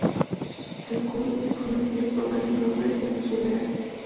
El kohl es conocido por varios nombres en el sur de Asia.